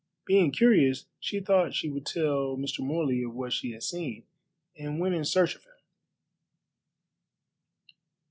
Being curious, she thought she would tell Mr. Morley of what she had seen, and went in search of him.